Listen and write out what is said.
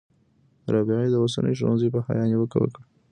رابعې د اوسنیو ښځو په حیا نیوکه وکړه.